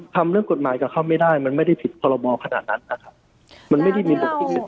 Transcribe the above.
ทำเรื่องกฎหมายกับเขาไม่ได้มันไม่ได้ผิดพรหมอขนาดนั้นนะครับ